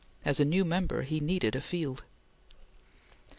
As a new member, he needed a field.